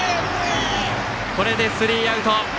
これでスリーアウト。